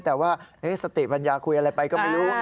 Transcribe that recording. แต่ว่าสติปัญญาคุยอะไรไปก็ไม่รู้